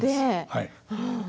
はい。